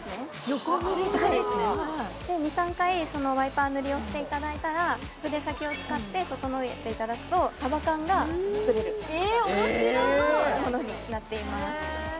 横塗りで２３回そのワイパー塗りをしていただいたら筆先を使って整えていただくと束感が作れる・えっ面白いものになっています